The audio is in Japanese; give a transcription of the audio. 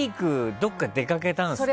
どこかに出かけたんですか？とか。